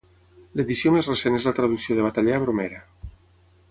L'edició més recent és la traducció de Bataller a Bromera.